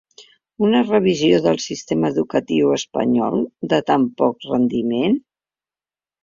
Una revisió del sistema educatiu espanyol de tan poc rendiment?